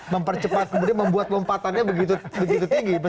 mempercepat kemudian membuat lompatannya begitu tinggi